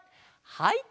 はい。